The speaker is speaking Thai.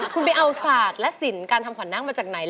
คุณไปเอาสาดและสินการทำขวัญนอกมาจากไหน